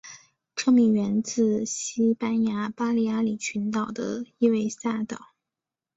车名源自西班牙巴利阿里群岛的伊维萨岛。